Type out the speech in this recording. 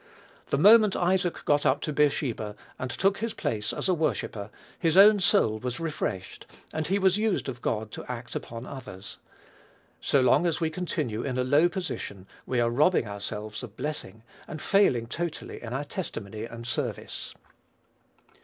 The moment Isaac got up to Beersheba, and took his place as a worshipper, his own soul was refreshed, and he was used of God to act upon others. So long as we continue in a low position, we are robbing ourselves of blessing, and failing totally in our testimony and service.